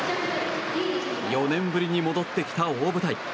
４年ぶりに戻ってきた大舞台。